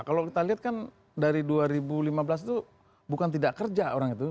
kalau kita lihat kan dari dua ribu lima belas itu bukan tidak kerja orang itu